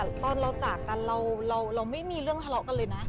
ตอนเราจากกันเราไม่มีเรื่องทะเลาะกันเลยนะ